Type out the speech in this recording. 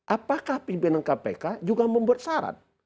apakah pimpinan kpk juga membuat syarat